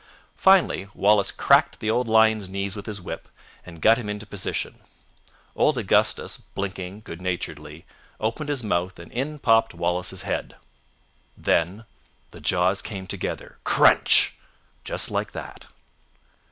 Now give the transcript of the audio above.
"Finally Wallace cracked the old lion's knees with his whip and got him into position. Old Augustus, blinking good naturedly, opened his mouth and in popped Wallace's head. Then the jaws came together, CRUNCH, just like that."